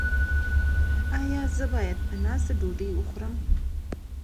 ایا زه باید په ناسته ډوډۍ وخورم؟